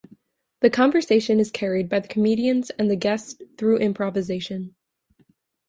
The conversation is carried by the comedians and the guests through improvisation.